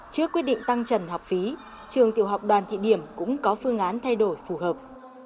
trước quyết định tăng trần học phí trường tiểu học đoàn thị điểm cũng có phương án thay đổi phù hợp